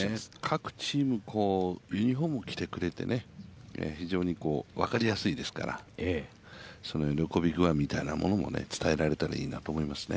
各チームユニフォーム着てくれて非常に分かりやすいですからその喜び具合みたいなものも伝えられたらいいなと思います。